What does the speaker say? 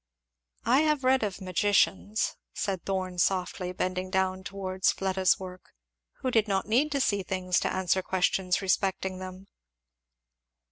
"I have read of magicians," said Thorn softly, bending down towards Fleda's work, "who did not need to see things to answer questions respecting them."